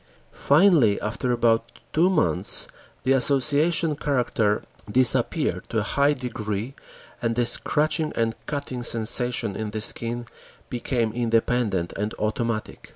Finally, after about two months, the association character disappeared to a high degree and the scratching and cutting sensation in the skin became independent and automatic.